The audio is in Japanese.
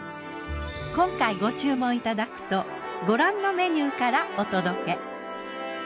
今回ご注文いただくとご覧のメニューからお届け。